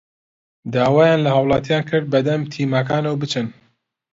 داوایان لە هاوڵاتیان کرد بەدەم تیمەکانەوە بچن